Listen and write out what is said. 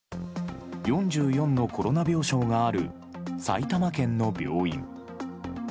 ４４のコロナ病床がある、埼玉県の病院。